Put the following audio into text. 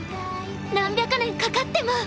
何百年かかっても。